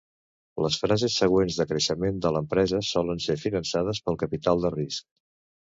Les fases següents de creixement de l'empresa solen ser finançades pel capital de risc.